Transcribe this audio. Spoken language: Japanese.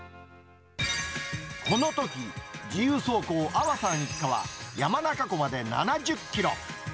このとき、自由走行、安和さん一家は山中湖まで７０キロ。